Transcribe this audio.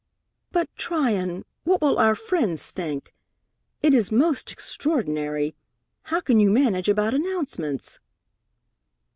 "But, Tryon, what will our friends think? It is most extraordinary! How can you manage about announcements?"